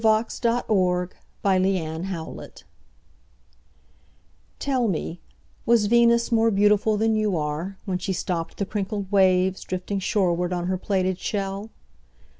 Venus Transiens By Amy Lowell TELL me, Was Venus more beautifulThan you are, When she stoppedThe crinkled waves, Drifting shorewardOn her plaited shell?